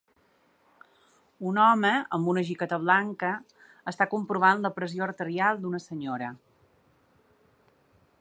Un home amb una jaqueta blanca està comprovant la pressió arterial d'una senyora.